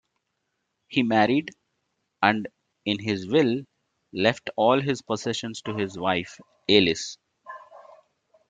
He married and in his will left all his possessions to his wife, Alice.